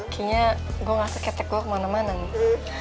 kayaknya gue ngasih ketek gue kemana mana nih